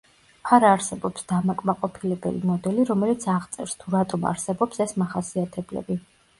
არ არსებობს დამაკმაყოფილებელი მოდელი, რომელიც აღწერს, თუ რატომ არსებობს ეს მახასიათებლები.